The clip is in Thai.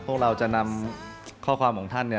พวกเราจะนำข้อความของท่าน